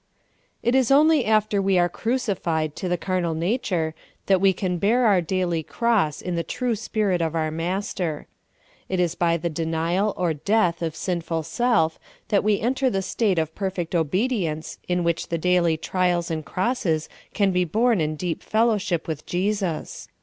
IT is only after we are crucified to the carnal nature that we can bear our daily cross in the true spirit of our Master. It is by the denial or death of sinful self that we enter the state of perfect obedience in which the daily trials and crosses can be borne in deep fellow ship with Jesus.